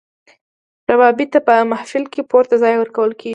ربابي ته په محفل کې پورته ځای ورکول کیږي.